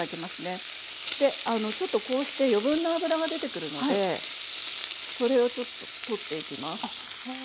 ちょっとこうして余分な脂が出てくるのでそれを取っていきます。